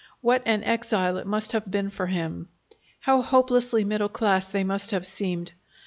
What an exile it must have been for him! How hopelessly middle class they must have seemed!